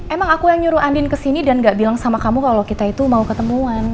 emang aku yang nyuruh andin ke sini dan gak bilang sama kamu kalau kita itu mau ketemuan